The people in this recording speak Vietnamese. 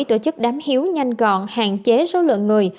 tổ chức đám hiếu nhanh gọn hạn chế số lượng người